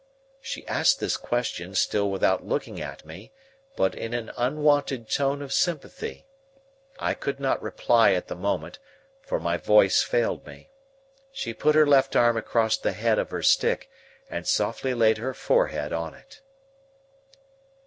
She asked this question, still without looking at me, but in an unwonted tone of sympathy. I could not reply at the moment, for my voice failed me. She put her left arm across the head of her stick, and softly laid her forehead on it.